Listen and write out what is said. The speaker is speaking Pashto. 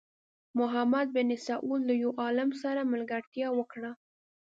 محمد بن سعود له یو عالم سره ملګرتیا وکړه.